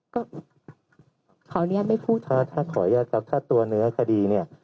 ก็ขออนุญาตไม่พูดถ้าขออนุญาตครับถ้าตัวเนื้อคดีเนี่ย